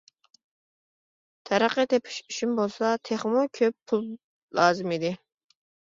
تەرەققىي تېپىش ئۈچۈن بولسا تېخىمۇ كۆپ پۇل لازىم ئىدى.